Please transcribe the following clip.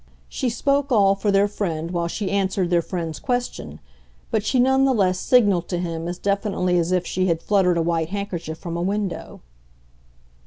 She spoke all for their friend while she answered their friend's question, but she none the less signalled to him as definitely as if she had fluttered a white handkerchief from a window.